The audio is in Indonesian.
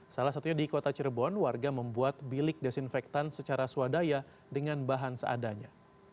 salah satunya di kota cirebon warga membuat bilik desinfektan secara swadaya dengan bahan seadanya